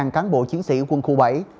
bốn cán bộ chiến sĩ quân khu bảy